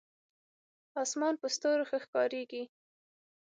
اسمان په ستورو ښه ښکارېږي.